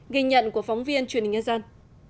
ghi nhận của phóng viên truyền hình nhân dân